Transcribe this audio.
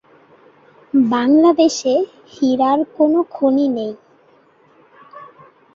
বাংলাদেশে হীরার কোনো খনি নেই।